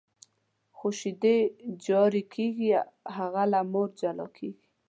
خو شیدې جاري کېږي، هغه له مور جلا کېږي.